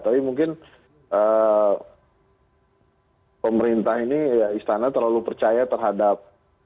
tapi mungkin pemerintah ini ya istana terlalu percaya terhadap